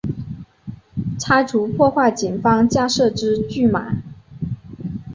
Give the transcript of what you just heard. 拆除破坏警方架设之拒马